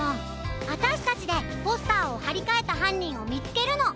あたしたちでポスターをはりかえたはんにんをみつけるの。